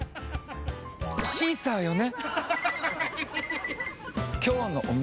シーサーよね？